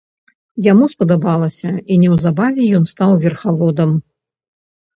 Яму спадабалася, і неўзабаве ён стаў верхаводам.